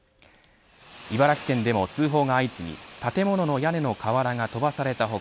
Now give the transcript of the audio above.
茨城県でも通報が相次ぎ建物の屋根の瓦が飛ばされた他